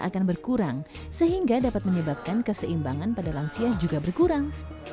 akan berkurang sehingga dapat menyebabkan keseimbangan pada lansia juga berkurang